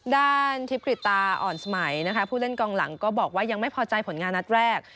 ด้านทิพย์กริตาอ่อนสมัยนะคะผู้เล่นกองหลังก็บอกว่ายังไม่พอใจผลงานนัดแรก